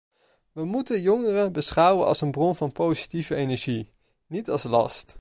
We moeten jongeren beschouwen als een bron van positieve energie, niet als last.